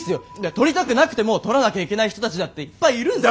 とりたくなくてもとらなきゃいけない人たちだっていっぱいいるんすから。